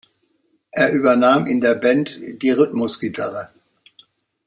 Er übernahm in der Band die Rhythmusgitarre.